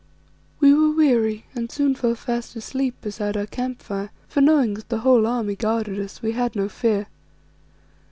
We were weary and soon fell fast asleep beside our camp fire, for, knowing that the whole army guarded us, we had no fear.